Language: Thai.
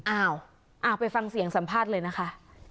อ้าวไปฟังเสียงสัมภาษณ์เลยนะคะ